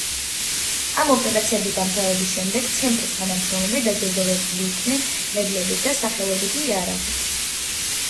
ამ ოპერაციების დამთავრების შემდეგ ცენტრის თანამშრომლები დაჯილდოვებული იქნენ მედლებით და სახელობითი იარაღით.